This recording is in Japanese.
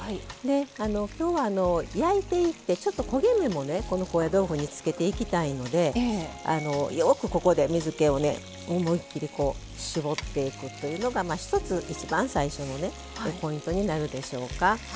きょうは焼いていってちょっと焦げ目も高野豆腐につけていきたいのでよく、ここで水けを思い切り絞っていくというのが一つ、一番最初のポイントになるでしょうか。